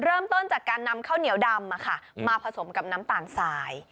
เริ่มต้นจากการนำข้าวเหนียวดำมาผสมกับน้ำตาลสาย